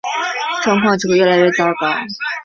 状况只会越来越糟糕